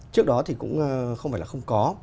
trước đó thì cũng không phải là không có